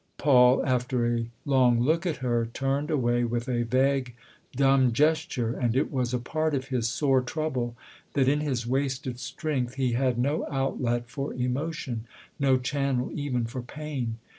Paul, after a. long look at her, turned away with a vague, dumb gesture, and it was a part of his sore trouble that, in his wasted strength, he had no outlet for emotion, no channel even for pain.